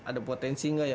ada potensi nggak ya